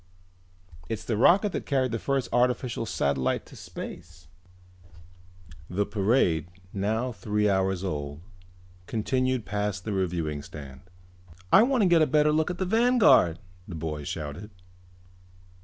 "It's the rocket that carried the first artificial satellite into space." The parade, now three hours old, continued past the reviewing stand. "I wanna get a better look at the Vanguard!" the boy shouted.